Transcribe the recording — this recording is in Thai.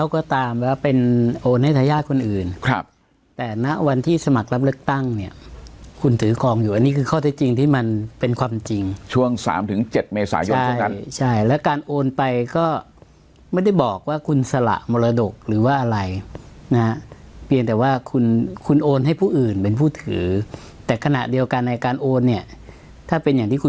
ก็ตามว่าเป็นโอนให้ทายาทคนอื่นครับแต่ณวันที่สมัครรับเลือกตั้งเนี่ยคุณถือคลองอยู่อันนี้คือข้อเท็จจริงที่มันเป็นความจริงช่วง๓๗เมษายนใช่ไหมใช่แล้วการโอนไปก็ไม่ได้บอกว่าคุณสละมรดกหรือว่าอะไรนะเพียงแต่ว่าคุณคุณโอนให้ผู้อื่นเป็นผู้ถือแต่ขณะเดียวกันในการโอนเนี่ยถ้าเป็นอย่างที่คุณ